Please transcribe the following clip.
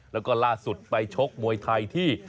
แล้วก็ล่าสุดไปชกมวยไทยที่